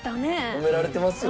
褒められてますよ。